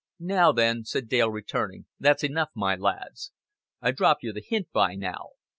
"Now then," said Dale, returning, "that's enough, my lads. I dropped you the hint by now.